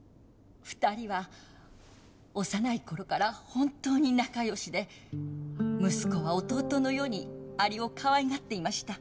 ２人は幼い頃から本当に仲よしで息子は弟のようにアリをかわいがっていました。